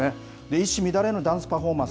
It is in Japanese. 一糸乱れぬダンスパフォーマンス